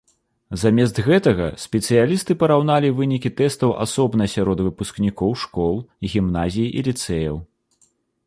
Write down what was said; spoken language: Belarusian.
Замест гэтага спецыялісты параўналі вынікі тэстаў асобна сярод выпускнікоў школ, гімназій і ліцэяў.